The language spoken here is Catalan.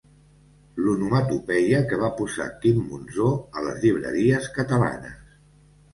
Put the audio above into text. L'onomatopeia que va posar Quim Monzó a les llibreries catalanes.